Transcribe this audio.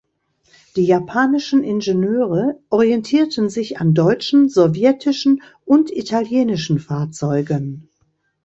Die japanischen Ingenieure orientierten sich an deutschen, sowjetischen und italienischen Fahrzeugen.